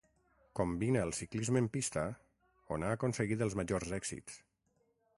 Combina el ciclisme en pista on ha aconseguit els majors èxits.